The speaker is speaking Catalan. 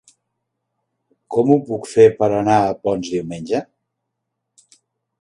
Com ho puc fer per anar a Ponts diumenge?